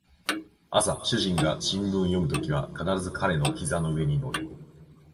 朝主人が新聞を読むときは必ず彼の膝の上に乗る